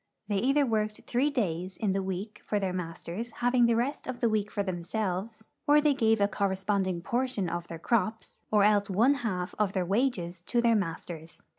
They either Avorked three days in the week for their masters, having the rest of the Aveek for them selves, or they gaA^e a corresponding portion of their crops, or else one half of their Avages to their masters.